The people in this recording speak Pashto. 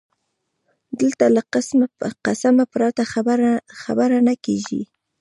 دلته له قسمه پرته خبره نه کېږي